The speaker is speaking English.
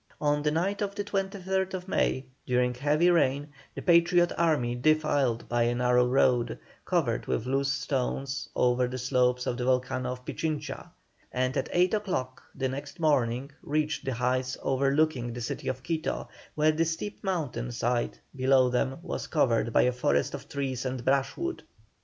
On the night of the 23rd May, during heavy rain, the Patriot army defiled by a narrow road, covered with loose stones, over the slopes of the volcano of Pichincha, and at eight o'clock the next morning reached the heights overlooking the city of Quito, where the steep mountain side below them was covered by a forest of trees and brushwood.